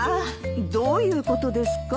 どういうことですか？